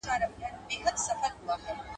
زمری پرون تر شپاڼس بجو پوري په باغ کي وو.